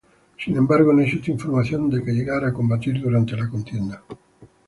Sin embargo, no existe información de que llegara a combatir durante la contienda.